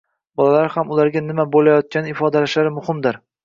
bolalar ham ularga nima bo‘layotgani ifodalashlari muhimdir.